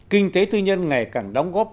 kinh tế tư nhân ngày càng đóng góp